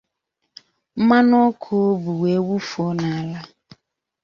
mmanụ ọkụ o bu wee wụfuo n'ala.